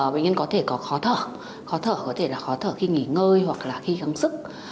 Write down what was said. bệnh nhân có thể có khó thở khó thở có thể là khó thở khi nghỉ ngơi hoặc là khi khám sức